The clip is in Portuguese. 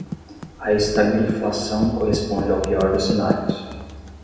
A estagflação corresponde ao pior dos cenários